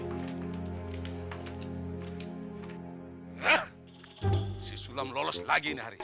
hah si sulam lolos lagi ini hari ini